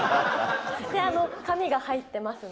紙が入っていますので。